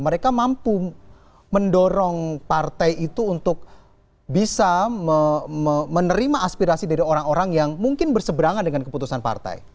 mereka mampu mendorong partai itu untuk bisa menerima aspirasi dari orang orang yang mungkin berseberangan dengan keputusan partai